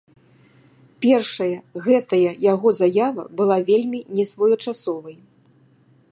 Першае, гэтая яго заява была вельмі несвоечасовай.